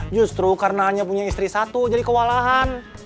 justru karena hanya punya istri satu jadi kewalahan